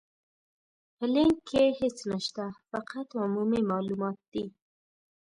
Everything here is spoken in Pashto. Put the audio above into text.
په لينک کې هيڅ نشته، فقط عمومي مالومات دي.